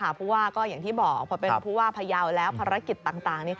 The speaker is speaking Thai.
เพราะว่าอย่างที่บอกเพราะว่าพยาวิทยาลัยและภารกิจต่าง